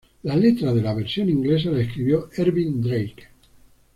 La letra de la versión inglesa la escribió Ervin Drake.